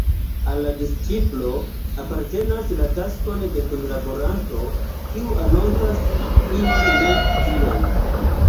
Al la disĉiplo apartenas la taskon de kunlaboranto kiu anoncas ion ne sian.